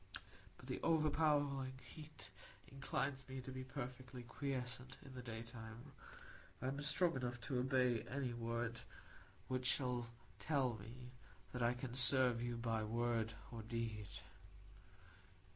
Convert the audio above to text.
But the overpowering heat inclines me to be perfectly quiescent in the daytime. I am strong enough to obey any word which shall tell me that I can serve you by word or deed.